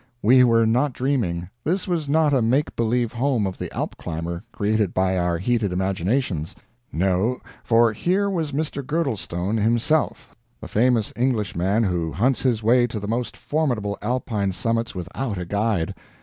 We were not dreaming; this was not a make believe home of the Alp climber, created by our heated imaginations; no, for here was Mr. Girdlestone himself, the famous Englishman who hunts his way to the most formidable Alpine summits without a guide.